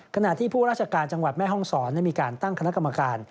ขณะที่ผู้ราชการจังหวัดแม่ห้องศรมีการตั้งคณะกรรมการ